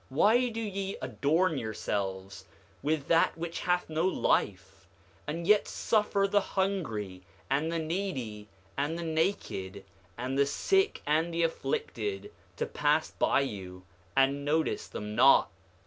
8:39 Why do ye adorn yourselves with that which hath no life, and yet suffer the hungry, and the needy, and the naked, and the sick and the afflicted to pass by you, and notice them not?